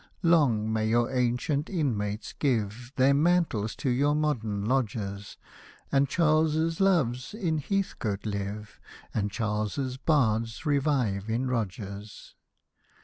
Long may your ancient inmates give Their mantles to your modern lodgers, And Charles's loves in Heathcote live. And Charles's bards revive in Rogers.